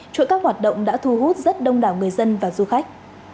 chuỗi các hoạt động đã thu hút rất đông đảo người dân và du khách